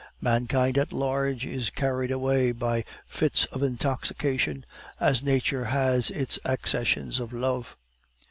Mankind at large is carried away by fits of intoxication, as nature has its accessions of love.